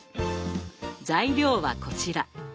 材料はこちら。